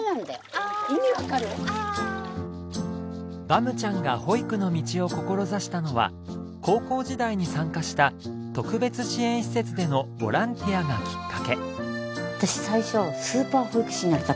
バムちゃんが保育の道を志したのは高校時代に参加した特別支援施設でのボランティアがきっかけ。